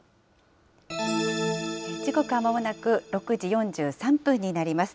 時刻はまもなく６時４３分になります。